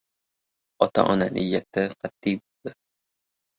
Ota-ona niyati qat’iy bo‘ldi.